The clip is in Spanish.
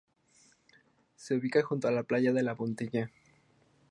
Se ubica junto a la playa de La Puntilla.